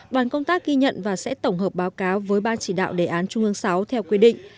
đoàn công tác ghi nhận và sẽ tổng hợp báo cáo với ban chỉ đạo đề án trung ương sáu theo quy định